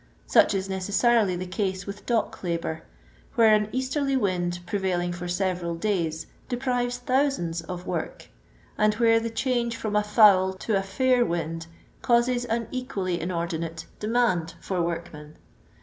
Such is necessarily the case with dock labour, where an easterly wind pre vailing for several days deprives thousands of trort, and when the change from a foul to a fair wind causes an equally inordinate demand for workmen.